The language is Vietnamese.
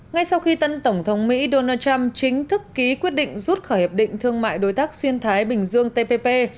ngay sau khi tân tổng thống mỹ donald trump chính thức ký quyết định rút khỏi hiệp định thương mại đối tác xuyên thái bình dương tpp